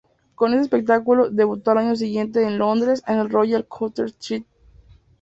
Con este espectáculo debutó al año siguiente en Londres en el Royal Court Theatre.